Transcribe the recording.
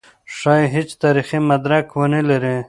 ښايي هېڅ تاریخي مدرک ونه لري.